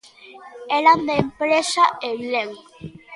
Eran da empresa Eulen.